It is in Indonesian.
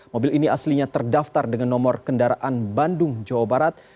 mobil ini aslinya terdaftar dengan nomor kendaraan bandung jawa barat